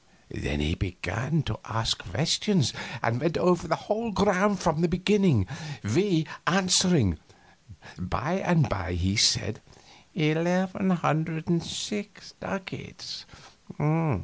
Then he began to ask questions, and went over the whole ground from the beginning, we answering. By and by he said: "Eleven hundred and six ducats.